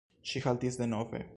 Ŝi haltis denove.